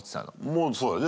まあそうだよね